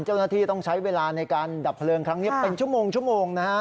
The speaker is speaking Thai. เจ้าหน้าที่ต้องใช้เวลาในการดับเพลิงครั้งนี้เป็นชั่วโมงนะฮะ